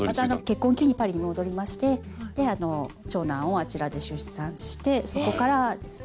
結婚を機にパリに戻りまして長男をあちらで出産してそこからですね。